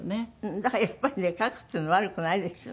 だからやっぱりね書くっていうのも悪くないですよね。